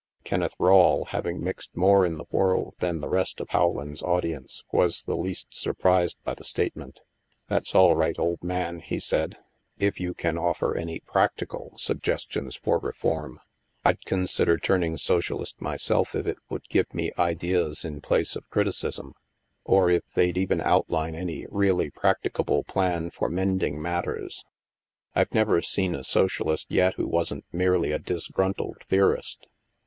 Kenneth Rawle, having mixed more in the world than the rest of Rowland's audience, was the least surprised by the statement. " That's all right, old man," he said; " if you can offer any practical suggestions for reform. I'd con sider turning socialist myself if it would give me ideas in place of criticism, or if they'd even outline any really practicable plan for mending matters. I've never seen a socialist yet who wasn't merely a disgruntled theorist.